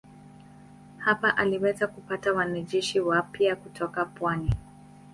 Hapa aliweza kupata wanajeshi wapya kutoka pwani.